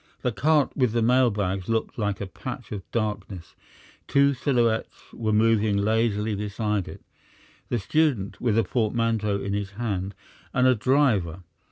The cart with the mail bags looked like a patch of darkness. Two silhouettes were moving lazily beside it: the student with a portmanteau in his hand and a driver.